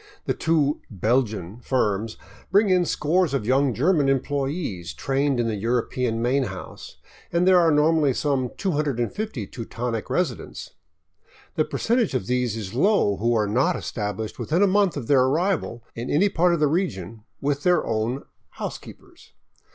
The two " Belgian " firms bring in scores of young German employees trained in the European main house ; and there are normally some 250 Teutonic residents. The percentage of these is low who are not established within a month of their arrival in any part of the region with their own '' housekeepers."